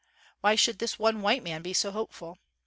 '' Why should this one white man be so hopeful?